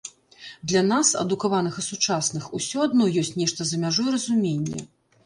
Для нас, адукаваных і сучасных, усё адно ёсць нешта за мяжой разумення.